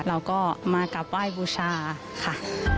เราก็มากับว่ายบูชาค่ะ